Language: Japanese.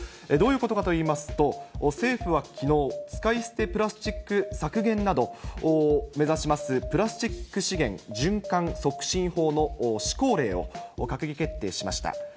どういうことかといいますと、政府はきのう、使い捨てプラスチック削減などを目指します、プラスチック資源循環促進法の施行令を閣議決定しました。